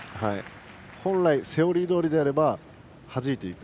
本来セオリーどおりであればはじいていく。